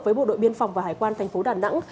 với bộ đội biên phòng và hải quan thành phố đà nẵng